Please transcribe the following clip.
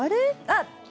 あっ！